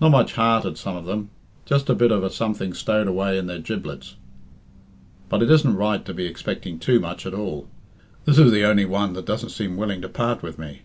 Not much heart at some of them; just a bit of a something stowed away in their giblets; but it isn't right to be expecting too much at all. This is the only one that doesn't seem willing to part with me."